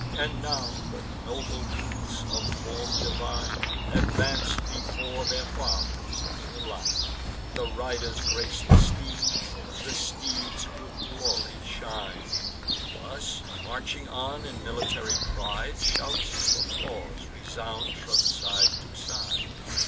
And now the noble youths, of form divine, Advance before their fathers, in a line; The riders grace the steeds; the steeds with glory shine. Thus marching on in military pride, Shouts of applause resound from side to side.